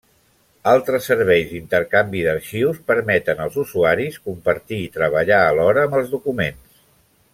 Altres serveis d'intercanvi d'arxius permeten als usuaris compartir i treballar alhora amb els documents.